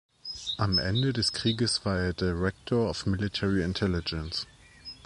Am Ende des Krieges war er „Director of Military Intelligence“.